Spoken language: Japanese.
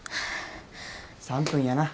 ３分やな。